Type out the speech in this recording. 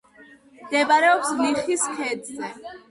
მდებარეობს ლიხის ქედზე.